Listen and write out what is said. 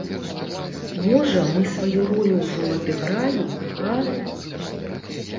Можа, мы сваю ролю ўжо адыгралі, га?